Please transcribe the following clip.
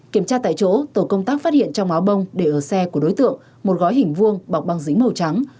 kiểm tra tại chỗ tổ công tác phát hiện trong áo bông để ở xe của đối tượng một gói hình vuông bọc băng dính màu trắng